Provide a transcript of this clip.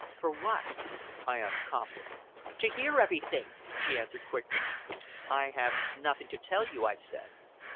"For what?" I asked calmly. "To hear everything," she answered quickly. "I have nothing to tell you," I said.